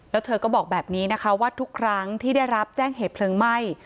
แล้วเธอก็บอกแบบนี้นะคะว่าทุกครั้งที่ได้รับแจ้งเหตุเพลิงไหม้